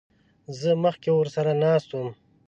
زه مخکې ورسره ناست وم.